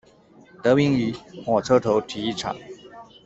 得名于火车头体育场。